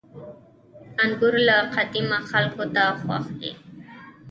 • انګور له قديمه خلکو ته خوښ دي.